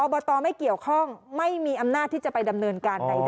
บตไม่เกี่ยวข้องไม่มีอำนาจที่จะไปดำเนินการใด